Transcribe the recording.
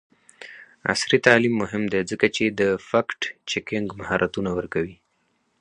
عصري تعلیم مهم دی ځکه چې د فکټ چیکینګ مهارتونه ورکوي.